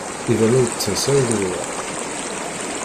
Iban ur d-tettas ara di lweqt.